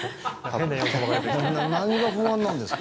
なんの不安なんですか。